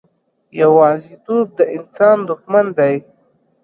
یوازیتوب د انسان دښمن دی.